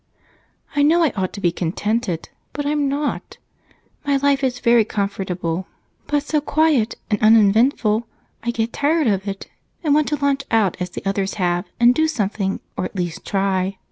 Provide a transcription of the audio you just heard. "I know I ought to be contented, but I'm not. My life is very comfortable, but so quiet and uneventful, I get tired of it and want to launch out as the others have, and do something, or at least try.